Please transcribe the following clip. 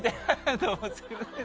どうもすいません。